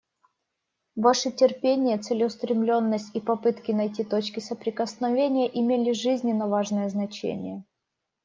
Ваши терпение, целеустремленность и попытки найти точки соприкосновения имели жизненно важное значение.